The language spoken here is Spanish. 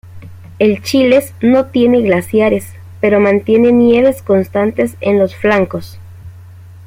El Chiles no tiene glaciares pero mantiene nieves constantes en los flancos.